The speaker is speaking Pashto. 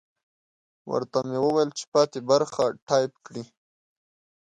ورته مې وویل چې پاته برخه ټایپ کړي.